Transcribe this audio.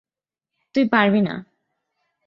তুই পারবি না।